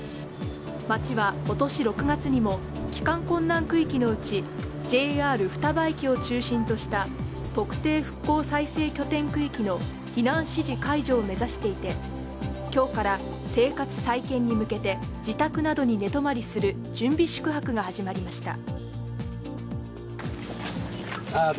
町は今年６月にも、帰還困難区域のうちＪＲ双葉駅を中心とした特定復興再生拠点区域の避難指示解除を目指していて今日から生活再建に向けて自宅などに寝泊まりする準備宿泊が始まりました。